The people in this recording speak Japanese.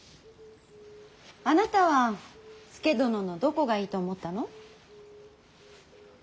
あなたは佐殿のどこがいいと思ったの。